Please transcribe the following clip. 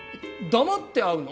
黙って会うの？